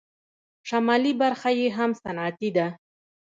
شمالي برخه یې هم صنعتي ده.